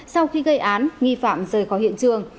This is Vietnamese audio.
sau khi gây án nghi phạm rời khỏi hiện trường